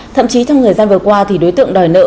thậm chí trong thời gian vừa qua thì đối tượng đòi nợ